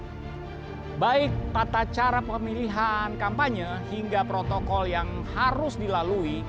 baik tata cara pemilihan kampanye hingga protokol yang harus dilalui